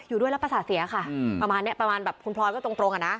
อยู่ด้วยแล้วประสาทเสียค่ะประมาณเนี้ยประมาณแบบคุณพลอยก็ตรงตรงอ่ะนะ